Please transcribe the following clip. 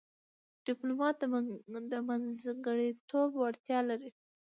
ډيپلومات د منځګړیتوب وړتیا لري.